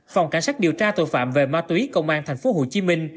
phòng cảnh sát điều tra tội phạm về ma túy công an tp hcm